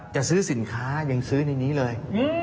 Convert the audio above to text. จะซื้อสินค้ายังซื้อในนี้เลย